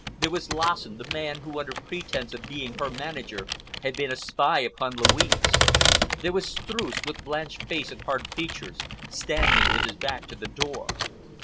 There was Lassen, the man who, under pretence of being her manager, had been a spy upon Louise. There was Streuss, with blanched face and hard features, standing with his back to the door.